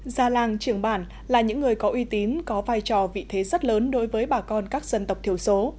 gia làng trường bản là những người có uy tín có vai trò vị thế rất lớn đối với bà con các dân tộc thiểu số